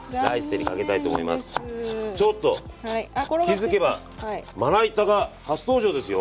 気付けばまな板が初登場ですよ。